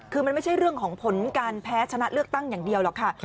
คือมันไม่ใช่เรื่องของผลการแพ้ชนะเลือกตั้งอย่างเดียวหรอกค่ะ